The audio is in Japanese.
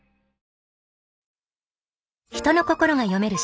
人の心が読める